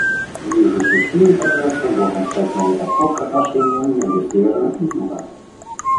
Движущей силой прогресса должен стать новый подход к отношениям между Севером и Югом.